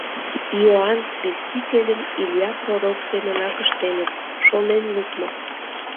Иоанн Крестительым Илья пророк семынак ыштеныт, шонен лукмо.